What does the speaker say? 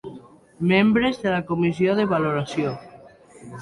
Membres de la comissió de valoració.